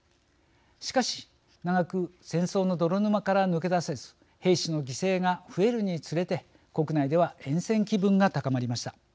しかし長く戦争の泥沼から抜け出せず兵士の犠牲が増えるにつれて国内ではえん戦気分が高まりました。